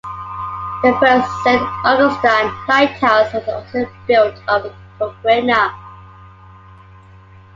The first Saint Augustine Lighthouse was also built of coquina.